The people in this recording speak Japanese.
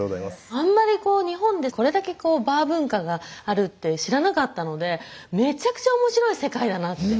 あんまりこう日本でこれだけバー文化があるって知らなかったのでめちゃくちゃ面白い世界だなって。